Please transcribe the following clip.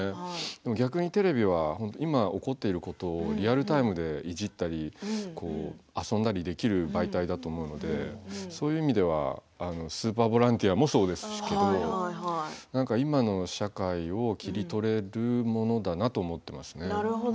逆にテレビは今、起こっていることをリアルタイムでいじったり遊んだりできる媒体だと思うのでそういう意味ではスーパーボランティアもそうですけど今の社会を切り取れるものだなと思ってますね。